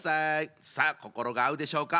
さあ心が合うでしょうか。